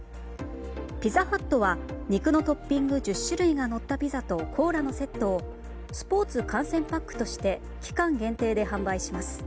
ピザハットは肉のトッピング１０種類が乗ったセットをスポーツ観戦パックとして期間限定で販売します。